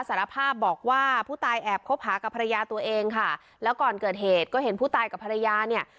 สารภาพบอกว่าผู้ตายแอบคบหากับภรรยาตัวเองค่ะแล้วก่อนเกิดเหตุก็เห็นผู้ตายกับภรรยาเนี่ย